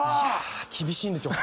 厳しいんですよ。